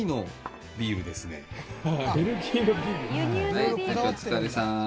はいたいちお疲れさん。